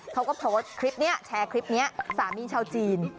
เขาก็โทษแชร์คลิปนี้สามีชาวจีน